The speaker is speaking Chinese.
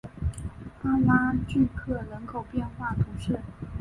巴拉聚克人口变化图示